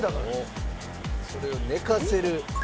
それを寝かせる。